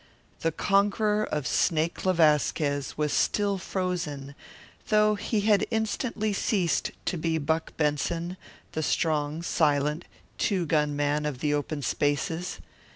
The conqueror of Snake le Vasquez was still frozen, though he had instantly ceased to be Buck Benson, the strong, silent, two gun man of the open spaces.